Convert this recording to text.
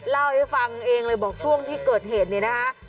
เล่าให้ฟังเองเลยบอกช่วงที่เกิดเหตุเนี่ยนะคะ